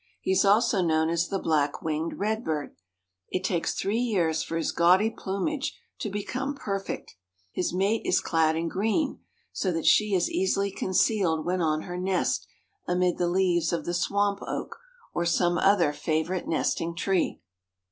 He is also known as the black winged redbird. It takes three years for his gaudy plumage to become perfect. His mate is clad in green, so that she is easily concealed when on her nest amid the leaves of the swamp oak or some other favorite nesting tree.